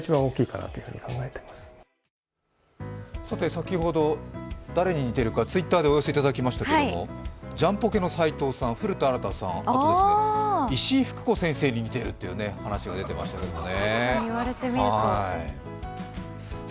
先ほど誰に似ているかＴｗｉｔｔｅｒでお寄せいただきましたけれども、ジャンポケの斉藤さん、あと石井ふく子先生に似ているという話が出ていましたね。